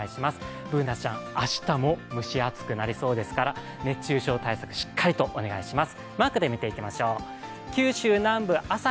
Ｂｏｏｎａちゃん、明日も蒸し暑くなりそうですから熱中症対策、しっかりとお願いします。